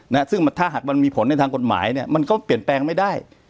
นะฮะซึ่งถ้าหากมันมีผลในทางกฎหมายเนี่ยมันก็เปลี่ยนแปลงไม่ได้